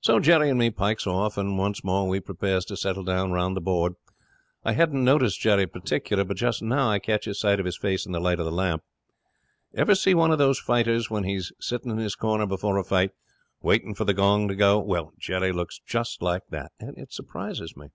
'So Jerry and me pikes off, and once more we prepares to settle down around the board. I hadn't noticed Jerry particular, but just now I catches sight of his face in the light of the lamp. Ever see one of those fighters when he's sitting in his corner before a fight, waiting for the gong to go? Well, Jerry looks like that; and it surprises me.